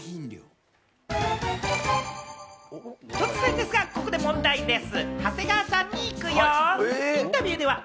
突然ですが、ここで問題でぃす！